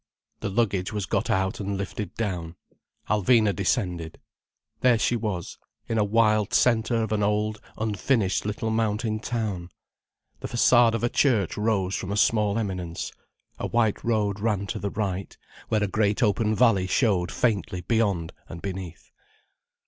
The luggage was got out and lifted down. Alvina descended. There she was, in a wild centre of an old, unfinished little mountain town. The façade of a church rose from a small eminence. A white road ran to the right, where a great open valley showed faintly beyond and beneath.